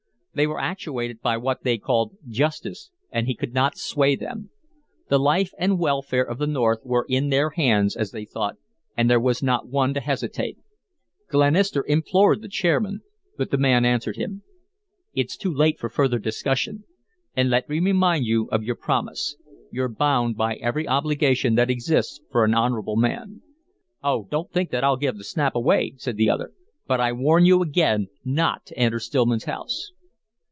They were actuated by what they called justice, and he could not sway them. The life and welfare of the North were in their hands, as they thought, and there was not one to hesitate. Glenister implored the chairman, but the man answered him: "It's too late for further discussion, and let me remind you of your promise. You're bound by every obligation that exists for an honorable man " "Oh, don't think that I'll give the snap away!" said the other; "but I warn you again not to enter Stillman's house."